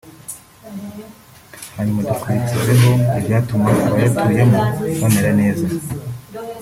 hanyuma dukurikizeho ibyatuma abayatuyemo bamera neza